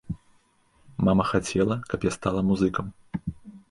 Мама хацела, каб я стала музыкам.